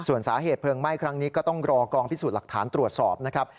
ส่วนสาเหตุเพลิงไหม้ครั้งนี้ก็ต้องรอกองพิสูจน์หลักฐานตรวจสอบนะครับ